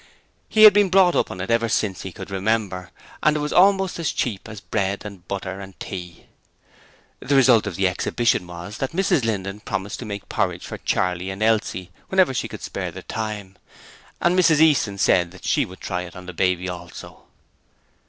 He had been brought up on it ever since he could remember, and it was almost as cheap as bread and butter and tea. The result of the exhibition was that Mrs Linden promised to make porridge for Charley and Elsie whenever she could spare the time, and Mrs Easton said she would try it for the baby also.